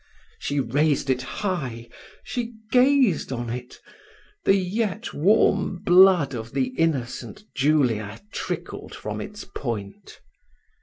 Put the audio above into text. She raised it high she gazed on it the yet warm blood of the innocent Julia trickled from its point.